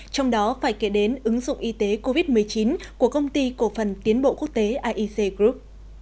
trong đó phải kể đến ứng dụng y tế covid một mươi chín của công ty cổ phần tiến bộ quốc tế iec group